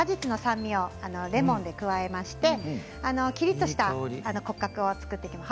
少し果実の酸味をレモンで加えましてきりっとした骨格を作っていきます。